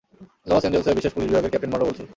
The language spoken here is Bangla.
লস এঞ্জেলসের বিশেষ পুলিশ বিভাগের ক্যাপ্টেন মনরো বলছি।